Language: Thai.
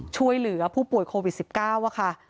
ช่วยเหลือผู้ป่วยโควิด๑๙ค่ะ